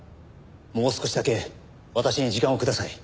もう少しだけ私に時間をください。